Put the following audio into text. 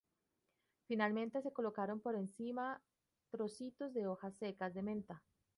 Finalmente se colocan por encima trocitos de hojas secas de menta.